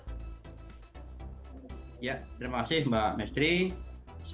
terima kasih mbak mistry